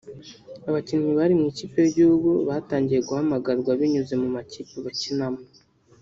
Abakinnyi bari mu ikipe y’igihugu batangiye guhamagarwa binyuze mu makipe bakinamo